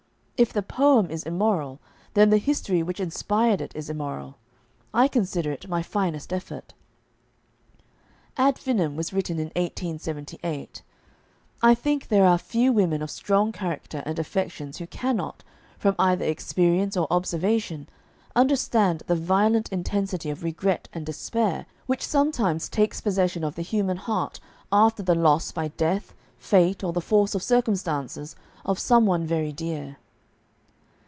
If the poem is immoral, then the history which inspired it is immoral. I consider it my finest effort. "Ad Finem" was written in 1878. I think there are few women of strong character and affections who cannot, from either experience or observation, understand the violent intensity of regret and despair which sometimes takes possession of the human heart after the loss by death, fate, or the force of circumstances, of some one very dear.